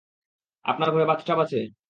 আপনার ঘরে বাথটাব আছে?